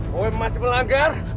kalau masih melanggar